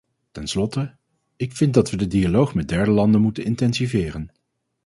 Ten slotte, ik vind dat we de dialoog met derde landen moeten intensiveren.